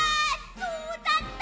そうだった！